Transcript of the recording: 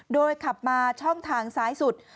โดยขับมาช่องทางซ้ายสุด